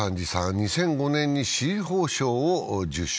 ２００５年に紫綬褒章を受章。